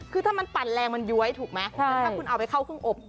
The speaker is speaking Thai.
คือถ้ามันปั่นแรงมันย้วยถูกไหมถ้าคุณเอาไปเข้าเครื่องอบ